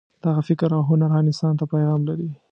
دغه فکر او هنر هر انسان ته پیغام لري.